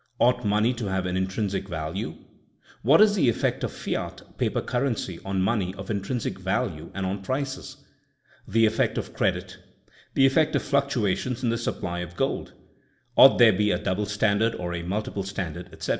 Ought money to have an intrinsic value t What is the effect of fiat'* paper currency on money of intrinsic value and on prices ? The effect of credit t The effect of fluctuations in the supply of gold? Ought there be a double standard or a multiple standard I etc.